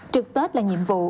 trực tết là nhiệm vụ